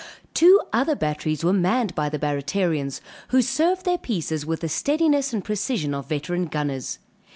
Two other batteries were manned by the Barratarians, who served their pieces with the steadiness and precision of veteran gunners.